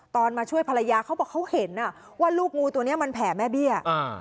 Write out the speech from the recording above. มาช่วยภรรยาเขาบอกเขาเห็นว่าลูกงูตัวเนี้ยมันแผ่แม่เบี้ย